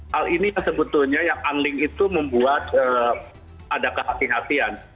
hal ini sebetulnya yang unlink itu membuat ada kehatian